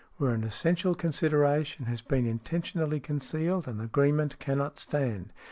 Where an essential consideration has been intentionally concealed, an agreement cannot stand.